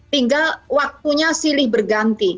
hingga waktunya silih berganti